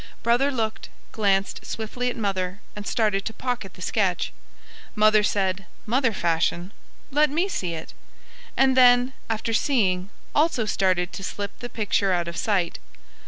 Brother looked, glanced swiftly at Mother, and started to pocket the sketch. Mother said, mother fashion, "Let me see it," and then, after seeing, also started to slip the picture out of sight.